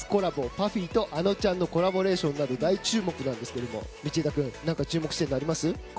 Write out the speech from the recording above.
ＰＵＦＦＹとａｎｏちゃんのコラボレーションなど大注目なんですが道枝君何か注目しているのありますか？